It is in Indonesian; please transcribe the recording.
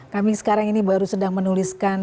kami sekarang ini baru sedang menuliskan